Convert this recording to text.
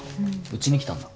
うちに来たんだ？